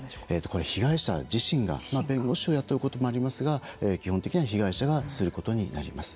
これは被害者自身が弁護士を雇うこともありますが基本的には被害者がすることになります。